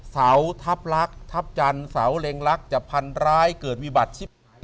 เสาทัพลักษณ์ทัพจันทร์เสาเล็งลักษณ์จะพันร้ายเกิดวิบัติชิบ